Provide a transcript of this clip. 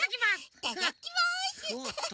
いただきます！